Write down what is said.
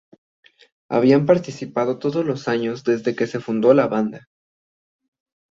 Habían participado todos los años desde que se fundó la banda.